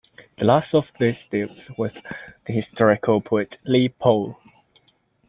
The last of these deals with the historical poet Li Po.